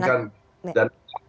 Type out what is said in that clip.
dan wajiban partai